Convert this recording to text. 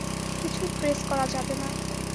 কিছুই ট্রেস করা যাবে না।